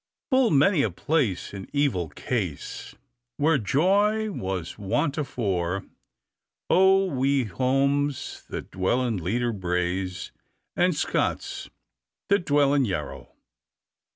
"Full many a place in evil case Where joy was wont afore, oh! Wi' Humes that dwell in Leader braes, And Scotts that dwell in Yarrow!"